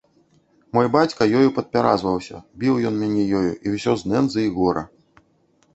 Мой бацька ёю падпяразваўся, біў ён мяне ёю, і ўсё з нэндзы і гора!